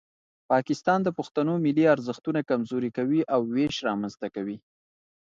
پاکستان د پښتنو ملي ارزښتونه کمزوري کوي او ویش رامنځته کوي.